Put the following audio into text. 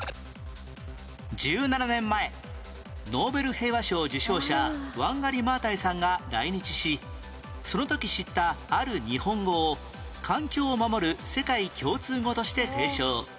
１７年前ノーベル平和賞受賞者ワンガリ・マータイさんが来日しその時知ったある日本語を環境を守る世界共通語として提唱